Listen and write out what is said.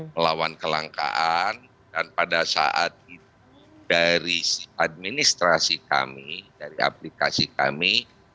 melawan kelangkaan dan pada saat itu dari administrasi kami dari aplikasi kami